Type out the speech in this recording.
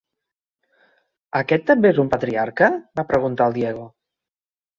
Aquest també és un patriarca? —va preguntar el Diego.